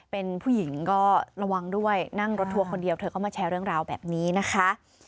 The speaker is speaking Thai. เป็นผู้หญิงก็ระวังด้วยนั่งรถทัวร์คนเดียวเธอเข้ามาแชร์เรื่องราวแบบนี้นะคะ